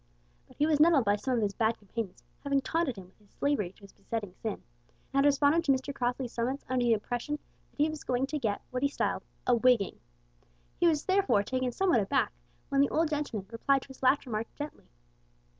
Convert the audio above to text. But he was nettled by some of his bad companions having taunted him with his slavery to his besetting sin, and had responded to Mr Crossley's summons under the impression that he was going to get what he styled a "wigging." He was therefore taken somewhat aback when the old gentleman replied to his last remark gently.